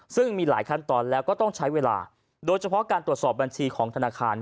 ซึ่งมีหลายขั้นตอนแล้วก็ต้องใช้เวลาโดยเฉพาะการตรวจสอบบัญชีของธนาคาร